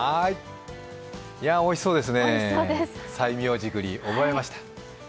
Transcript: おいしそうですね、西明寺栗覚えました。